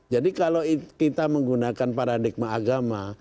jadi kalau kita menggunakan paradigma agama